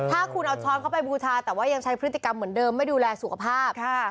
ถ้าคุณเอาช้อนเข้าไปบูชาแต่ว่ายังใช้พฤติกรรมเหมือนเดิมไม่ดูแลสุขภาพ